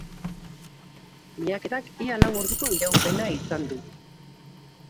Miaketak ia lau orduko iraupena izan du.